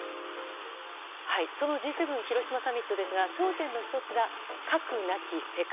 そのＧ７広島サミットですが焦点の１つが核なき世界。